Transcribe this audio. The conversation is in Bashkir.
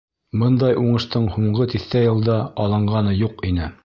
Бындай уңыштың һуңғы тиҫтә йылда алынғаны юҡ ине.